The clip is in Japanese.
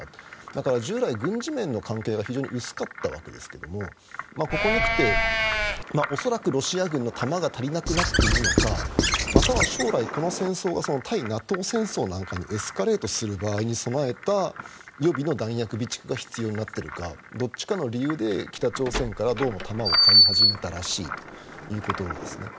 だから、従来、軍事面の関係が非常に薄かったわけですがここに来て、恐らくロシア軍の弾が足りなくなっているのかまたは将来、この戦争が対ＮＡＴＯ戦争なんかにエスカレートする場合に備えた予備の弾薬備蓄が必要になっているかどっちかの理由で北朝鮮からどうも弾を買い始めたらしいということですね。